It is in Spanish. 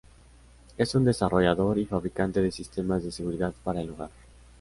Es un desarrollador y fabricante de sistemas de seguridad para el hogar.